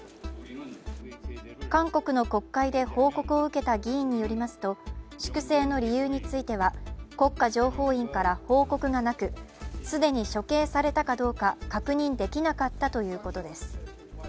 韓国の国会で報告を受けた議員によりますと粛清の理由については国家情報院から報告がなく既に処刑されたかどうか確認できなかったということです。